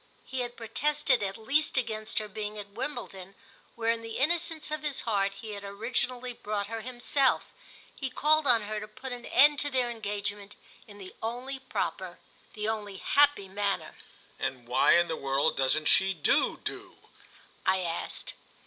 He had protested at least against her being at Wimbledon, where in the innocence of his heart he had originally brought her himself; he called on her to put an end to their engagement in the only proper, the only happy manner. "And why in the world doesn't she do do?" I asked.